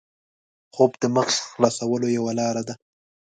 خوب د مغز خلاصولو یوه لاره ده